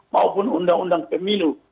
maupun undang undang pemilu